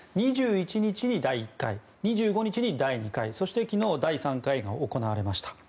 ２１日に第１回２５日に第２回そして昨日第３回が行われました。